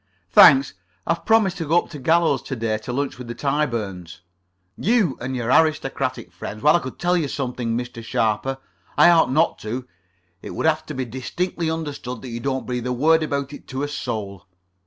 "Thanks. I have promised to go up to Gallows to day to lunch with the Tyburns." "You and your aristocratic friends. Well, I could tell you something, Mr. Sharper. I ought not to. It would have to be distinctly understood that you don't breathe a word about it to a soul."